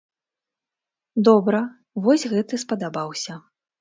Добра, вось гэты спадабаўся.